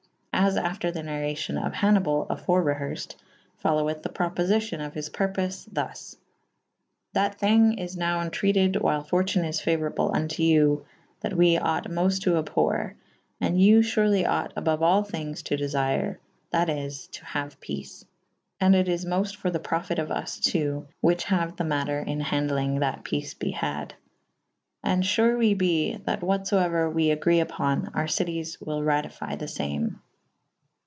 As after the narracio^ of Haniball afore reherced / foloweth the propofycyon of his purpofe thus. [D iii b] That thynge is nowe entreated while fortune is fauor able vnto you / that we ought mofte to abhorre / and you furely ought aboue all thynges to defyre / that is to haue peace. And it is mofte for the profyte of vs two / whiche haue the mater in hand elynge that peace be had. And fure we be / that what fo euer we agre vpo« our cities wyll ratyfye the fame.